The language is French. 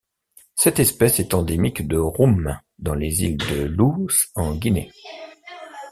Cette espèce est endémique de Roume dans les îles de Loos en Guinée.